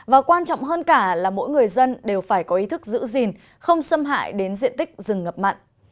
và quan trọng hơn cả là mỗi người dân đều phải có ý thức giữ gìn không xâm hại đến diện tích rừng ngập mặn